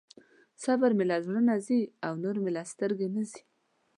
صبر مې له زړه نه ځي او نور مې له سترګې نه ځي.